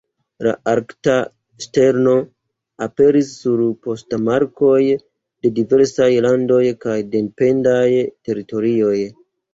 La Arkta ŝterno aperis sur poŝtmarkoj de diversaj landoj kaj dependaj teritorioj.